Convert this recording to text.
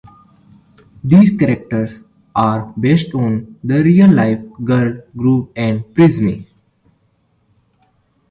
These characters are based on the real life girl group Prizmmy.